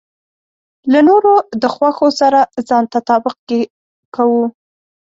له نورو د خوښو سره ځان تطابق کې کوو.